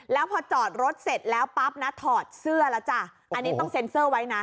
แล้วพอจอดรถเสร็จแล้วปั๊บนะถอดเสื้อแล้วจ้ะอันนี้ต้องเซ็นเซอร์ไว้นะ